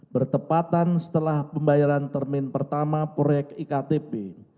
bertepatan setelah pembayaran termin pertama proyek iktp